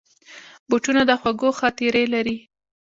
بوټونه د خوږو خاطرې لري.